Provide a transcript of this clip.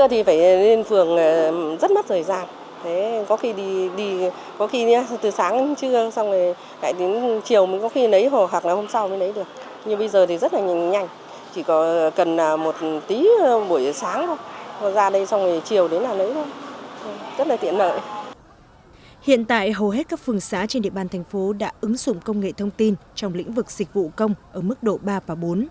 hiện tại hầu hết các phường xá trên địa bàn thành phố đã ứng dụng công nghệ thông tin trong lĩnh vực dịch vụ công ở mức độ ba và bốn